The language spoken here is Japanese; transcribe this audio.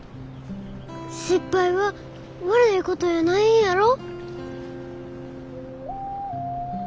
失敗は悪いことやないんやろ？